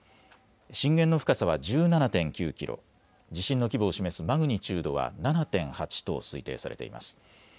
震源の深さは１７．９キロ、地震の規模を示すマグニチュードは７．８と推定されています。